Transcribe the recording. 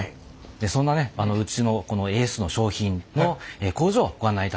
そんなねうちのこのエースの商品の工場ご案内いたします。